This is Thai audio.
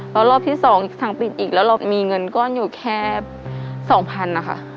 แล้วรอบที่๒สั่งปิดอีกแล้วเรามีเงินก้อนอยู่แค่๒๐๐๐นะคะ